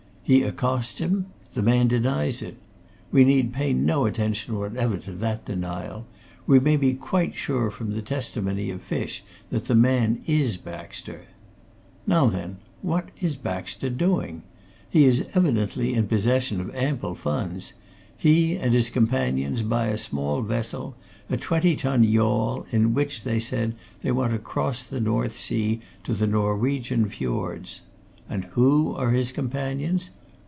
He accosts him the man denies it. We need pay no attention whatever to that denial: we may be quite sure from the testimony of Fish that the man is Baxter. Now then, what is Baxter doing? He is evidently in possession of ample funds he and his companions buy a small vessel, a twenty ton yawl, in which, they said, they want to cross the North Sea to the Norwegian fiords. And who are his companions?